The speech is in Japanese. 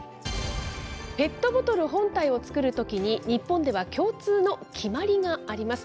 ペットボトル本体を作るときに、日本では共通の決まりがあります。